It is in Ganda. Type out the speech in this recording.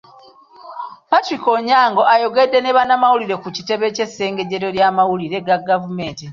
Patrick Onyango ayogedeko ne bannamawulire ku kitebe ky'essengejjero ly'amawulire ga gavumenti.